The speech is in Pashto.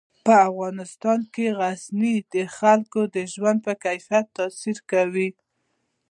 په افغانستان کې غزني د خلکو د ژوند په کیفیت تاثیر کوي.